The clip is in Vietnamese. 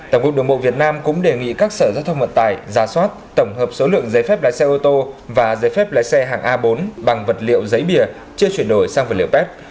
tổng cục đường bộ việt nam cũng đề nghị các sở giao thông vận tải giả soát tổng hợp số lượng giấy phép lái xe ô tô và giấy phép lái xe hàng a bốn bằng vật liệu giấy bìa chưa chuyển đổi sang vật liệu pet